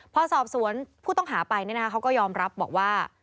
พอสอบสวนผู้ต้องหาไปเขาก็ยอมรับบอกว่า